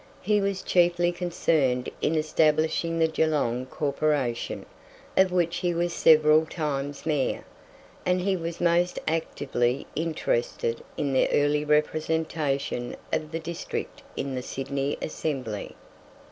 He was chiefly concerned in establishing the Geelong Corporation, of which he was several times Mayor, and he was most actively interested in the early representation of the district in the Sydney Assembly.